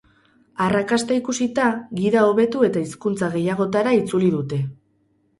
Arrakasta ikusita, gida hobetu eta hizkuntza gehiagotara itzuli dute.